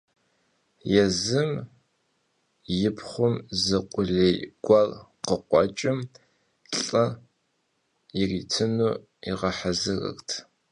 Yêzım yi pxhum zı khulêy guer khıkhueç'ım lh'ı yiritınu yiğehezırırt.